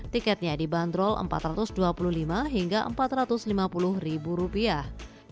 tiketnya dibanderol empat ratus dua puluh lima hingga empat ratus lima puluh ribu rupiah